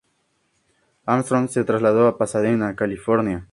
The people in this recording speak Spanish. Armstrong se trasladó a Pasadena, California.